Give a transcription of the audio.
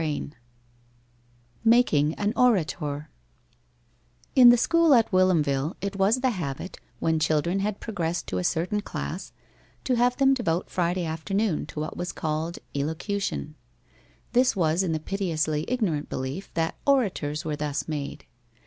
V MAKING AN ORATOR In the school at Whilomville it was the habit, when children had progressed to a certain class, to have them devote Friday afternoon to what was called elocution. This was in the piteously ignorant belief that orators were thus made.